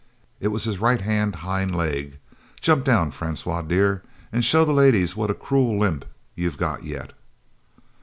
"It was his right hand hind leg. Jump down, Francois dear, and show the ladies what a cruel limp you've got yet."